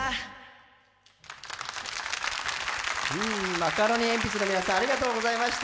マカロニえんぴつの皆さんありがとうございました。